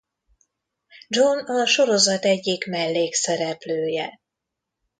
John a sorozat egyik mellékszereplője.